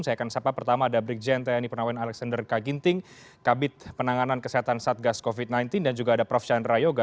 saya akan sapa pertama ada brigjen tni purnawen alexander kaginting kabit penanganan kesehatan satgas covid sembilan belas dan juga ada prof chandra yoga